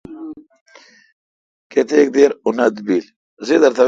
کیتک دیر اوں نتھ بیل۔